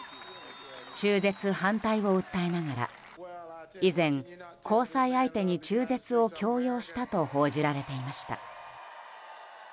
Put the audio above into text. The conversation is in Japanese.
中絶反対を訴えながら以前、交際相手に中絶を強要したと報じられていました。